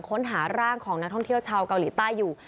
ค้นหาร่างของนักท่องเที่ยวชาวเกาหลีใต้อยู่